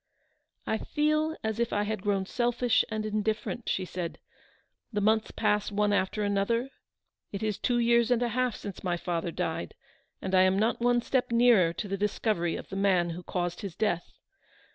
" I feel as if I had grown selfish and indifferent," she said. " The months pass one after another. It is two years and a half since my father died, and I am not one step nearer to the discovery of 280 Eleanor's victory. the man who caused his death.